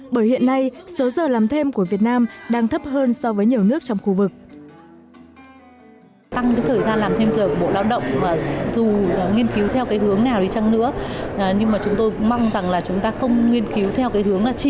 bởi hiện nay số giờ làm thêm của việt nam đang thấp hơn so với nhiều nước trong khu vực